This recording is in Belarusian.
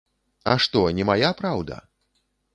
А што, не мая праўда?